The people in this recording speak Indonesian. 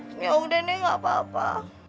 ini aku dene nggak apa apa